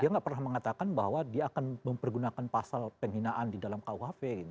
dia nggak pernah mengatakan bahwa dia akan mempergunakan pasal penghinaan di dalam kuhp